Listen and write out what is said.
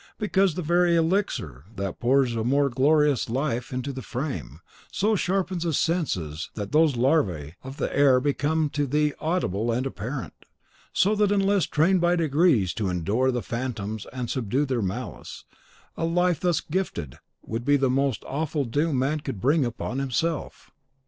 Because the very elixir that pours a more glorious life into the frame, so sharpens the senses that those larvae of the air become to thee audible and apparent; so that, unless trained by degrees to endure the phantoms and subdue their malice, a life thus gifted would be the most awful doom man could bring upon himself.